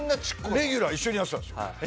レギュラー一緒にやってたんですよ。